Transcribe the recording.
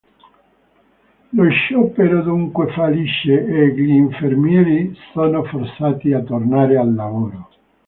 Lo sciopero dunque fallisce e gli infermieri sono forzati a tornare al lavoro.